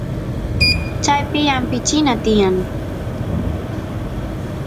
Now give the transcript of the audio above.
chaypi ampichina tiyan